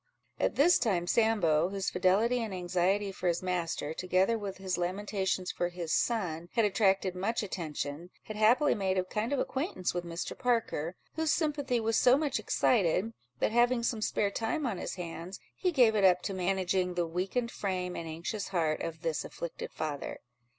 At this time Sambo, whose fidelity and anxiety for his master, together with his lamentations for his son, had attracted much attention, had happily made a kind of acquaintance with Mr. Parker, whose sympathy was so much excited, that having some spare time on his hands, he gave it up to managing the weakened frame and anxious heart of this afflicted father.